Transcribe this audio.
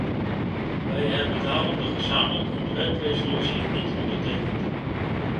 Wij hebben daarom de gezamenlijke ontwerpresolutie niet ondertekend.